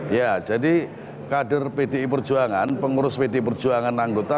ya jadi kader pdi perjuangan pengurus pdi perjuangan anggota